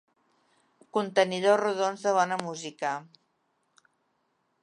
Contenidors rodons de bona música.